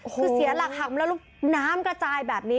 คือเสียหลักหักแล้วน้ำกระจายแบบนี้